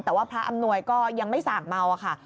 แต่ว่าพระอำนวยก็ยังไม่ส่างเมาอะค่ะ